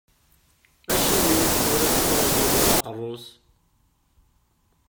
Acimi ur as-tettruẓuḍ ara aqerru-s?